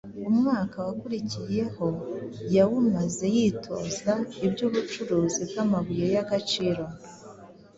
Umwaka wakurikiyeho yawumaze yitoza iby’ubucukuzi bw’amabuye yagaciro.